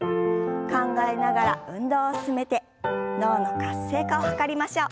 考えながら運動を進めて脳の活性化を図りましょう。